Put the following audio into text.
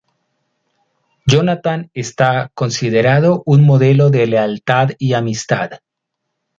Jonatán está considerado un modelo de lealtad y amistad.